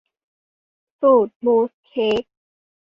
สูตรมูสเค้ก